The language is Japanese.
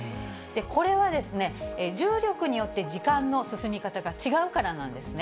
これは、重力によって時間の進み方が違うからなんですね。